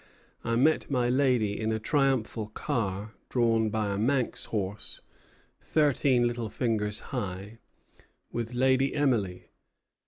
I met my Lady in a triumphal car, drawn by a Manx horse, thirteen little fingers high, with Lady Emily.